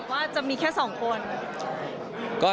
ว่าจะมีแค่๒คน